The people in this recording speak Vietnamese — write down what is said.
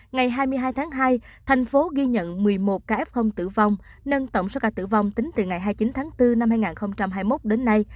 ngày hai mươi hai tháng hai thành phố ghi nhận một mươi một ca f tử vong nâng tổng số ca tử vong tính từ ngày hai mươi chín tháng bốn năm hai nghìn hai mươi một đến nay